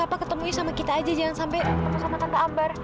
jadi papa ketemunya sama kita aja jangan sampai ketemu sama tante amer